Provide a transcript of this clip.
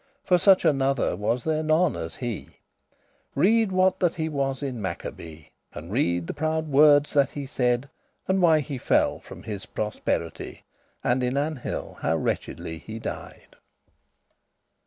For such another was there none as he; Reade what that he was in Maccabee. And read the proude wordes that he said, And why he fell from his prosperity, And in an hill how wretchedly he died.